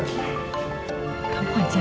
kamu lonj semainesang gross